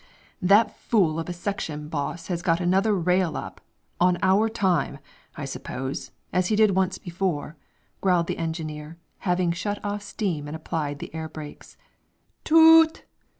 "That fool of a section boss has got another rail up, on our time, I suppose, as he did once before," growled the engineer, having shut off steam and applied the air brakes. Toot!